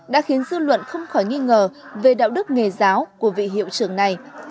đã khiến dư luận không khỏi nghi ngờ về đạo đức nghề giáo của vị hiệu trưởng này